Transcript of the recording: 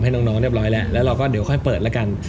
ให้น้องเรียบร้อยแล้วแล้วเราก็เดี๋ยวค่อยเปิดแล้วกัน